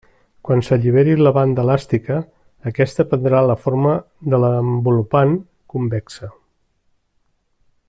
Quan s'alliberi la banda elàstica, aquesta prendrà la forma de l'envolupant convexa.